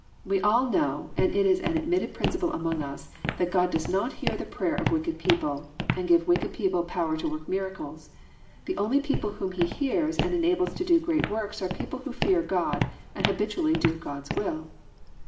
<'We all know, and it is an admitted principle among us, that God does not hear the prayer of wicked people, and give wicked people power to work miracles. The only people whom He hears and enables to do great works are people who fear God, and habitually do God's will.'